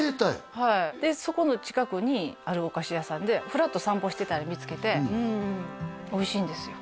はいでそこの近くにあるお菓子屋さんでフラッと散歩してたら見つけておいしいんですよ